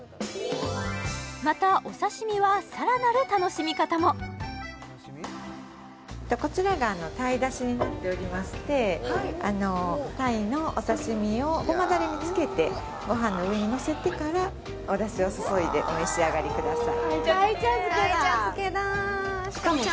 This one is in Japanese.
またお刺身はになっておりまして鯛のお刺身をゴマダレにつけてご飯の上にのせてからお出汁を注いでお召し上がりください